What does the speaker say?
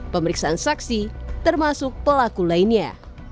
pemeriksaan saksi termasuk pelaku lainnya